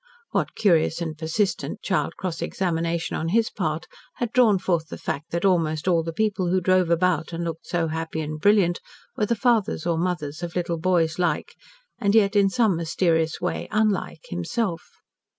What curious and persistent child cross examination on his part had drawn forth the fact that almost all the people who drove about and looked so happy and brilliant, were the fathers or mothers of little boys like, yet in some mysterious way unlike himself?